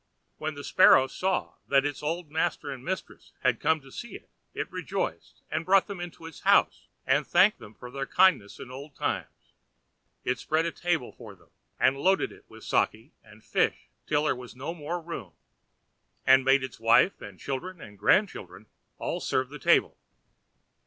When the Sparrow saw that its old master and mistress had come to see it, it rejoiced, and brought them into its house and thanked them for their kindness in old times. It spread a table for them, and loaded it with sake and fish till there was no more room, and made its wife and children and grandchildren all serve the table.